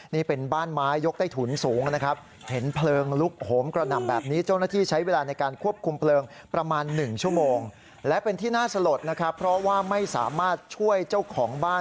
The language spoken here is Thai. นี่เป็นบ้านมายกใต้ถุนสูงนะครับ